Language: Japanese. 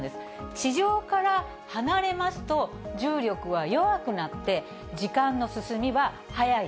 地上から離れますと、重力は弱くなって、時間の進みは早い。